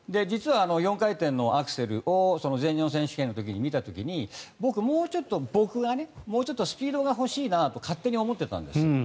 実は４回転アクセルを全日本選手権の時に見た時にもうちょっとスピードが欲しいなと勝手に思ってたんです。